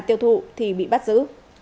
tiêu thụ thì bị bắt giữ